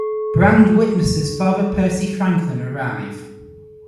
Brand witnesses Father Percy Franklin arrive.